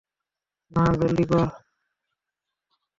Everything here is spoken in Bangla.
না, জলদি কর।